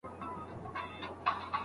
که خاوند غائب وي، ښځه د مال ساتنه کوي.